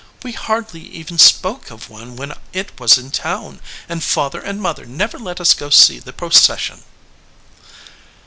We hardly even spoke of one when it was in town, and father and mother never let us go to see the procession."